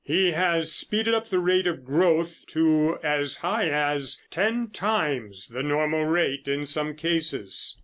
He has speeded up the rate of growth to as high as ten times the normal rate in some cases.